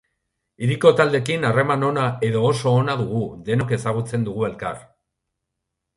Hiriko taldeekin harreman ona edo oso ona dugu, denok ezagutzen dugu elkar.